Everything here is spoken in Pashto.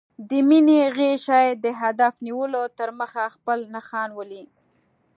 د مینې غشی د هدف نیولو تر مخه خپل نښان ولي.